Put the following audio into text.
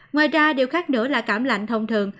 ngoài ra điều khác nữa là cảm lạnh thông thường